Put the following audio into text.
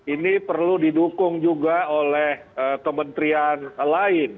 ini perlu didukung juga oleh kementerian lain